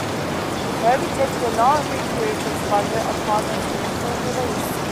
"Moby Dick" did not recoup its budget upon its initial release.